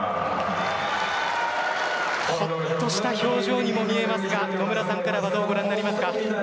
ほっとした表情にも見えますが野村さんからどうご覧になりますか。